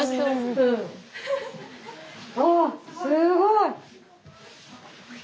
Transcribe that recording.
ああすごい！